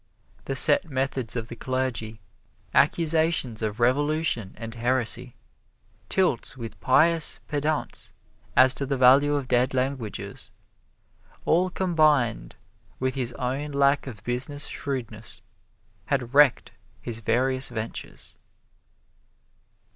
The set methods of the clergy, accusations of revolution and heresy, tilts with pious pedants as to the value of dead languages, all combined with his own lack of business shrewdness, had wrecked his various ventures.